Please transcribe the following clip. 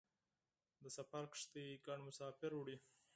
د سفر کښتۍ ګڼ مسافر وړي.